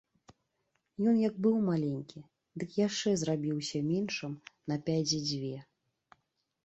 Ён як быў маленькі, дык яшчэ зрабіўся меншым на пядзі дзве.